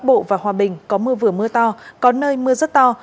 khu vực bắc bộ và hòa bình có mưa vừa mưa to có nơi mưa rất to